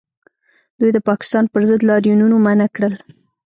دوی د پاکستان پر ضد لاریونونه منع کړل